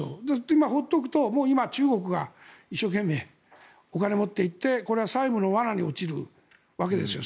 今、放っておくと中国が一生懸命、お金を持っていって最後の罠に陥るわけですよ。